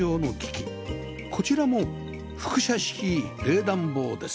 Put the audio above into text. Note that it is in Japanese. こちらも輻射式冷暖房です